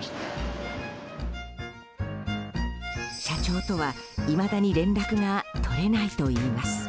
社長とは、いまだに連絡が取れないといいます。